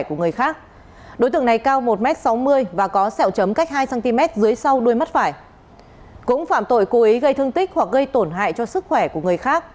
cũng phạm tội cố ý gây thương tích hoặc gây tổn hại cho sức khỏe của người khác